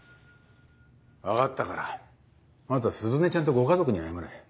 分かったからあとは鈴音ちゃんとご家族に謝れ。